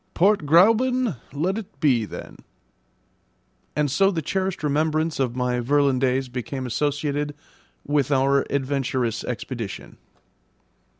"Port Gräuben let it be then." And so the cherished remembrance of my Virlandaise became associated with our adventurous expedition.